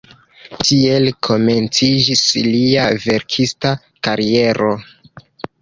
Tiel komenciĝis lia verkista kariero.